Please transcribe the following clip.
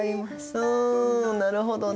うんなるほどね。